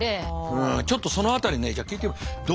うんちょっとその辺りねじゃあ聞いてみます。